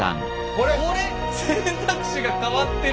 あれ⁉選択肢が変わってる！